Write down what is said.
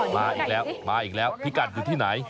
มาอีกแล้วมาอีกแล้วพิกัดอยู่ที่ไหน